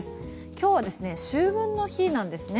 今日は秋分の日なんですね。